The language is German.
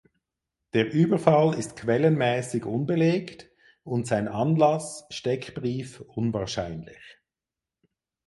Der Überfall ist quellenmäßig unbelegt und sein Anlass (Steckbrief) unwahrscheinlich.